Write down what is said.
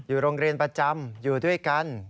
โรงเรียนประจำอยู่ด้วยกัน